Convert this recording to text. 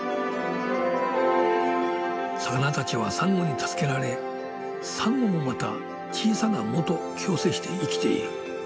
魚たちはサンゴに助けられサンゴもまた小さな藻と共生して生きている。